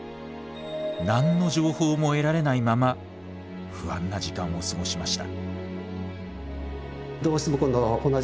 何の情報も得られないまま不安な時間を過ごしました。